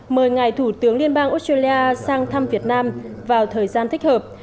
mời ngài thủ tướng liên bang australia sang thăm việt nam vào thời gian thích hợp